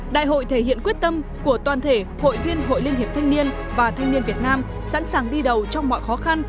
đại hội thể hiện quyết tâm của toàn thể hội viên hội liên hiệp thanh niên và thanh niên việt nam sẵn sàng đi đầu trong mọi khó khăn